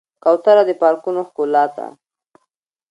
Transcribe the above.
کوتره د پارکونو ښکلا ده.